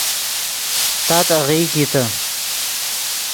تات آغیئی کیتے